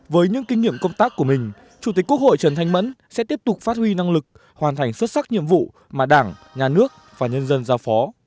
với những kinh nghiệm công tác của mình chủ tịch quốc hội trần thanh mẫn sẽ tiếp tục phát huy năng lực hoàn thành xuất sắc nhiệm vụ mà đảng nhà nước và nhân dân giao phó